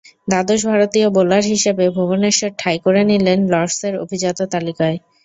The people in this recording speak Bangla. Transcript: দ্বাদশ ভারতীয় বোলার হিসেবে ভুবনেশ্বর ঠাঁই করে নিলেন লর্ডসের অভিজাত তালিকায়।